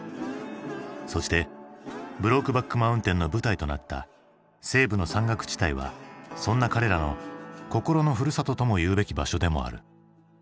そして「ブロークバック・マウンテン」の舞台となった西部の山岳地帯はそんな彼らの心のふるさととも言うべき場所でもある。